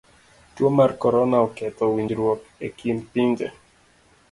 Tuo mar korona oketho winjruok e kind pinje.